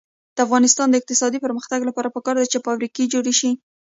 د افغانستان د اقتصادي پرمختګ لپاره پکار ده چې فابریکې جوړې شي.